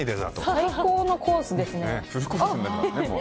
最高のコースですね。